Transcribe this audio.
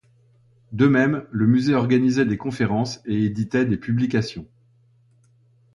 De même, le musée organisait des conférences et éditait des publications.